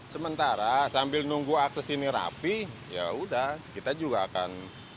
sementara sambil nunggu akses ini rapi yaudah kita juga akan